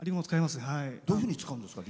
どういうふうに使うんですか？